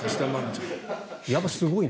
やっぱすごいな。